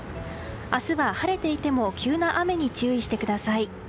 明日は晴れていても急な雨に注意してください。